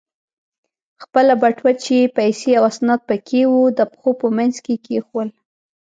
خپله بټوه چې پیسې او اسناد پکې و، د پښو په منځ کې کېښوول.